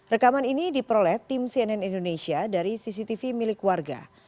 rekaman ini diperoleh tim cnn indonesia dari cctv milik warga